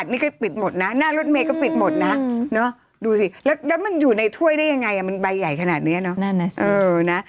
ฟัดนี่ก็ปิดหมดนะหน้ารถเมกก็ปิดหมดนะก็มันอยู่ในช่วยได้ยังไงมันใบใหญ่ขนาดเนี้ยเนอะ